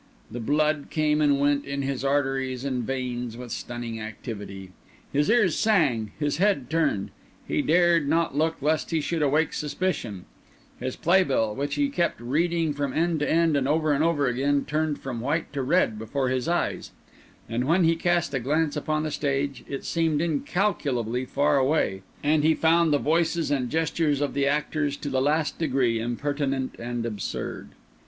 The blood came and went in his arteries and veins with stunning activity; his ears sang; his head turned. He dared not look lest he should awake suspicion; his play bill, which he kept reading from end to end and over and over again, turned from white to red before his eyes; and when he cast a glance upon the stage, it seemed incalculably far away, and he found the voices and gestures of the actors to the last degree impertinent and absurd.